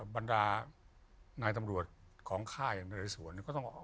บรรดานายตำรวจของค่ายนรัยสวน